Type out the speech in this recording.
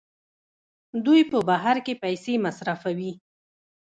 دوی په بهر کې پیسې مصرفوي.